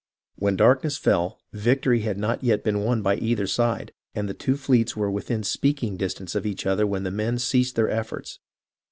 When darkness fell, victory had not yet been won by either side, and the two fleets were within speaking dis tance of each other when the men ceased their efforts.